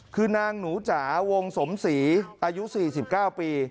คือนางหนูจ๋าวงสมศรีอายุ๔๙ปี